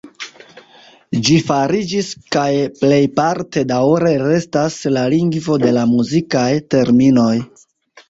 Ĝi fariĝis kaj plejparte daŭre restas la lingvo de la muzikaj terminoj.